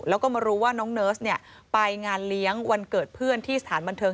แล้วก็มารู้ว่าน้องเนิร์สไปงานเลี้ยงวันเกิดเพื่อนที่สถานบันเทิง